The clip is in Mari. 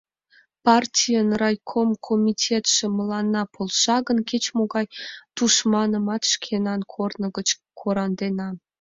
Партийын райком комитетше мыланна полша гын, кеч-могай тушманымат шкенан корно гыч кораҥдена!